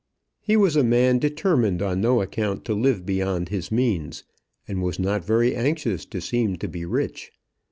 He was a man determined on no account to live beyond his means; and was not very anxious to seem to be rich.